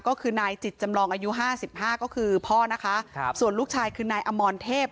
ก็คือนายจิตจำลองอายุห้าสิบห้าก็คือพ่อนะคะครับส่วนลูกชายคือนายอมรเทพ